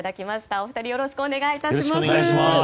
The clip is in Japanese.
お二人よろしくお願いいたします。